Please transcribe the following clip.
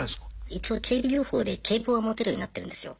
一応警備業法で警棒は持てるようになってるんですよ。